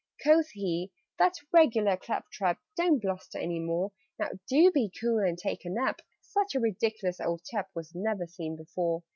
Quoth he "That's regular clap trap: Don't bluster any more. Now do be cool and take a nap! Such a ridiculous old chap Was never seen before!